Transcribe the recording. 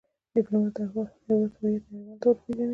ډيپلومات د هیواد هویت نړېوالو ته ور پېژني.